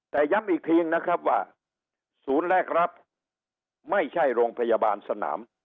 แต่ย้ำอีกทีนะครับว่าศูนย์แรกรับไม่ใช่โรงพยาบาลสนาม